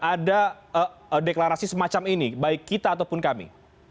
ada deklarasi semacam ini baik kita ataupun kami